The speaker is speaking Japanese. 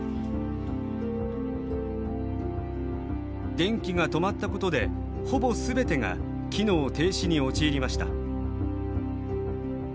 電気が止まったことでほぼ全てが機能停止に陥りました。